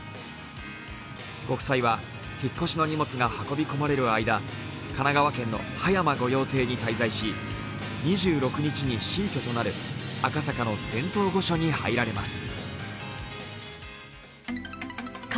ご夫妻は引っ越しの荷物が運び込まれる間、神奈川県の葉山御用邸に滞在し、２６日に新居となる赤坂の仙洞御所に入られます。